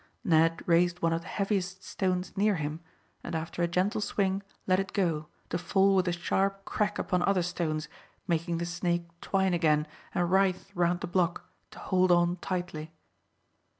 Ned raised one of the heaviest stones near him, and after a gentle swing let it go, to fall with a sharp crack upon other stones, making the snake twine again and writhe round the block, to hold on tightly.